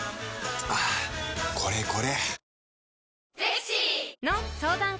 はぁこれこれ！